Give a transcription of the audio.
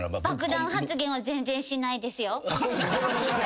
爆弾発言は全然しないですよ。